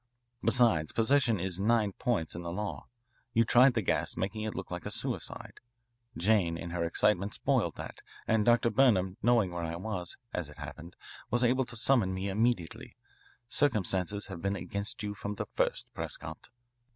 Besides, possession is nine points in the law. You tried the gas, making it look like a suicide. Jane, in her excitement, spoiled that, and Dr. Burnham, knowing where I was, as it happened, was able to summon me immediately. Circumstances have been against you from the first, Prescott."